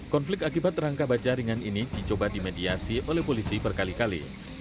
konflik akibat rangka baja ringan ini dicoba dimediasi oleh polisi berkali kali